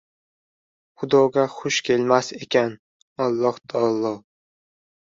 Xudoga xush kelmas ekan. Olloh taolo: